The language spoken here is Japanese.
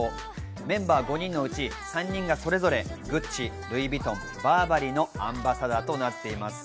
メンバー５人のうち３人がそれぞれグッチ、ルイ・ヴィトン、バーバリーのアンバサダーとなっています。